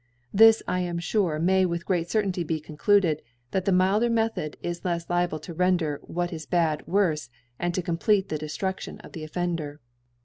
This I am fure may with great Certainty be concluded, that the mild er Method is Icfe liable to render what is bad worfe, and to complete the Deftrudioii Cf the Offender.